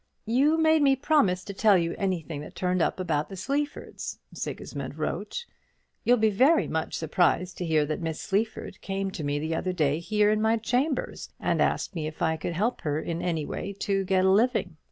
"You made me promise to tell you anything that turned up about the Sleafords," Sigismund wrote. "You'll be very much surprised to hear that Miss Sleaford came to me the other day here in my chambers, and asked me if I could help her in any way to get her living.